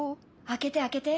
開けて開けて！